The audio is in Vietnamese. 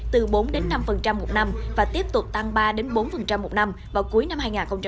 từ bốn năm một năm và tiếp tục tăng ba bốn một năm vào cuối năm hai nghìn hai mươi